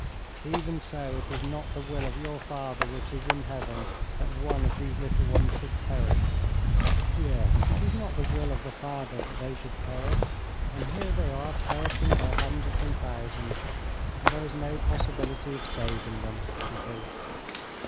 "Even so it is not the will of your Father which is in Heaven that one of these little ones should perish." "Yes, it is not the will of the Father that they should perish, and here they are perishing by hundreds and thousands. And there is no possibility of saving them," he thought.